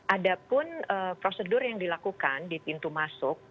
ada pun prosedur yang dilakukan di pintu masuk